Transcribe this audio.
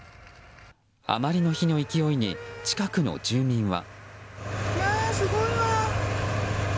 あまりの火の勢いに近くの住民は。